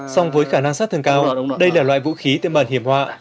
song với khả năng sát thương cao đây là loại vũ khí tiệm bản hiểm họa